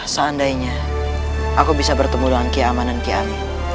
seandainya aku bisa bertemu dengan kia aman dan kia amin